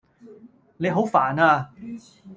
你好煩呀